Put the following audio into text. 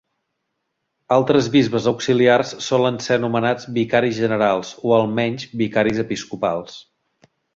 Altres bisbes auxiliars solen ser nomenats vicaris generals o almenys vicaris episcopals.